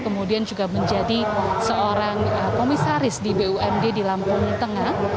kemudian juga menjadi seorang komisaris di bumd di lampung tengah